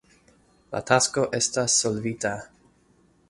La tasko estas solvita.